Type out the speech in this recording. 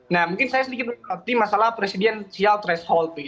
nah mungkin saya sedikit lebih mengerti masalah presidenial threshold